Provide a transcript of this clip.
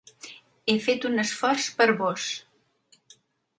He fet un esforç per vós.